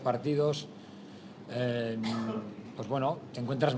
terhadap tim vietnam